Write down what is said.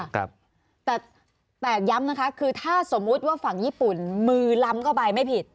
แต่แต่ย้ำนะคะคือถ้าสมมุติว่าฝั่งญี่ปุ่นมือล้ำเข้าไปไม่ผิด